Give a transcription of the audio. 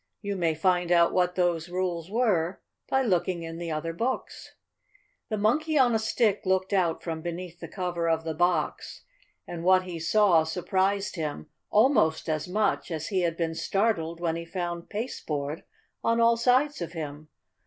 You may find out what those rules were by looking in the other books. The Monkey on a Stick looked out from beneath the cover of the box, and what he saw surprised him almost as much as he had been startled when he found pasteboard on all sides of him.